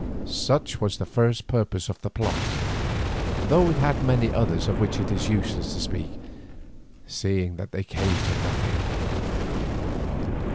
Such was the first purpose of the plot, though it had many others of which it is useless to speak, seeing that they came to nothing.